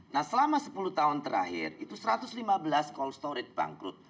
nah selama sepuluh tahun terakhir itu satu ratus lima belas cold storage bangkrut